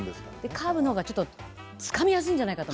カーブのほうがつかみやすいんじゃないかと。